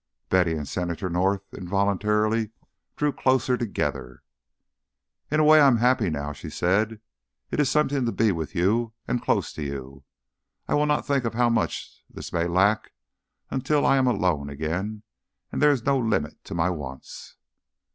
Betty and Senator North involuntarily drew closer together. "In a way I am happy now," she said. "It is something to be with you and close to you. I will not think of how much this may lack until I am alone again and there is no limit to my wants."